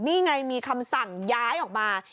นี่ไงมีคำสั่งย้ายออกมา